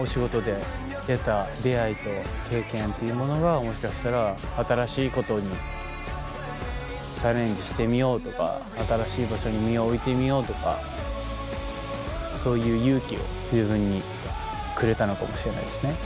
もしかしたら新しいことにチャレンジしてみようとか新しい場所に身を置いてみようとかそういう勇気を自分にくれたのかもしれないですね。